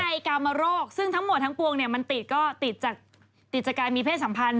น้องใจกามาโรคซึ่งทั้งหมดทั้งปวงมันติดจากการมีเพศสัมพันธ์